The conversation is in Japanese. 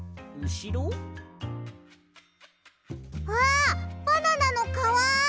あっバナナのかわ！